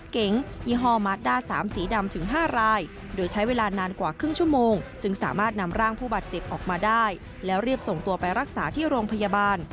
ก็ไปรักษาที่โรงพยาบาล